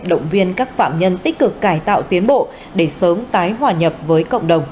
động viên các phạm nhân tích cực cải tạo tiến bộ để sớm tái hòa nhập với cộng đồng